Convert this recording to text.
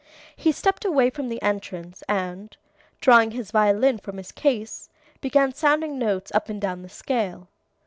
He stepped away from the entrance, and, drawing his violin from his case, began sounding notes up and down the scale.